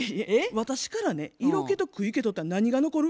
私から色気と食い気取ったら何が残る？